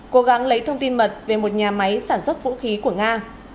cố gắng lấy thông tin mật về một nhà máy sản xuất vũ khí của nga